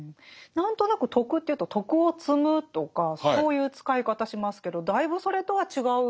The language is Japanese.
何となく徳というと徳を積むとかそういう使い方しますけどだいぶそれとは違う。